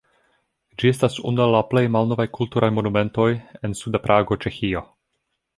Ĝi estas unu el la plej malnovaj kulturaj monumentoj en suda Prago, Ĉeĥio.